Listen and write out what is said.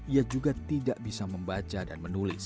ia juga tidak bisa membaca dan menulis